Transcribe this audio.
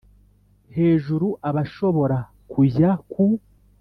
hejuru abashobora kujya ku